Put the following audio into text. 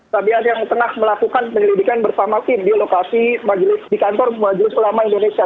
tapi ada yang tengah melakukan penyelidikan bersama tim di lokasi di kantor majelis ulama indonesia